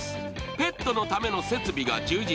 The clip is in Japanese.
ペットのための設備が充実。